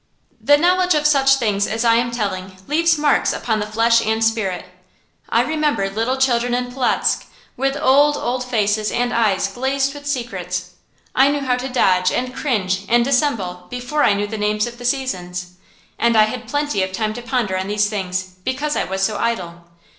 The knowledge of such things as I am telling leaves marks upon the flesh and spirit. I remember little children in Polotzk with old, old faces and eyes glazed with secrets. I knew how to dodge and cringe and dissemble before I knew the names of the seasons. And I had plenty of time to ponder on these things, because I was so idle.